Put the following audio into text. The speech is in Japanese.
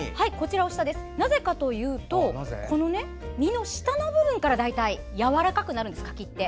なぜかというと実の下の部分から大体やわらかくなるんです。